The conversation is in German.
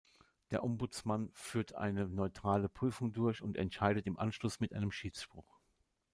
Der Ombudsmann führt eine neutrale Prüfung durch und entscheidet im Anschluss mit einem Schiedsspruch.